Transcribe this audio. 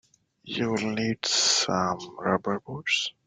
You will need some rubber boots.